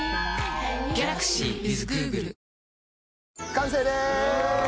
完成です！